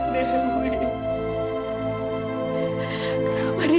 kenapa dia gak mau ngerti ya allah